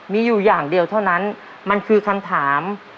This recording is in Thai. มีอยู่อย่างเดียวเท่านั้นมันคือคำถาม